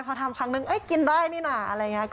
พอทำครั้งนึงกินได้นี่นะอะไรอย่างนี้